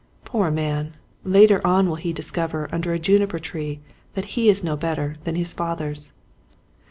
Poor man, later on he will discover under a juniper tree that he is no better than his fathers.